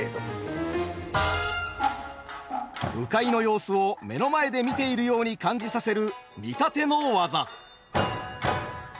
鵜飼の様子を目の前で見ているように感じさせる「見立て」の技。